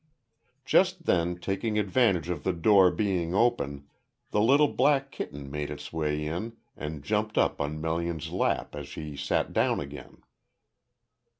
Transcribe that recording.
Just then, taking advantage of the door being open, the little black kitten made its way in and jumped up on Melian's lap as she sat down again.